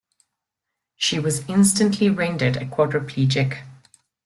She was instantly rendered a quadriplegic.